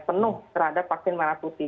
penuh terhadap vaksin merah putih